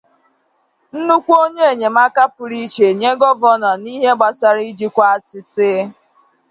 nnukwu onye enyemaka pụrụ ichè nye Gọvanọ n'ihe gbasaara ijikwa àtịtị